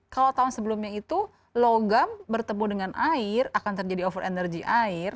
kalau tahun sebelumnya itu logam bertemu dengan air akan terjadi over energy air